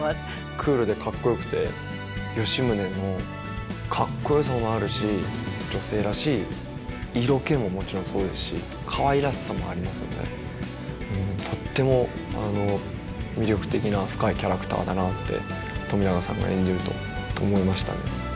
クールでかっこよくて吉宗のかっこよさもあるし女性らしい色気ももちろんそうですしかわいらしさもありますのでとっても魅力的な深いキャラクターだなって冨永さんが演じると思いましたね。